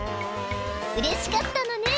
［うれしかったのね］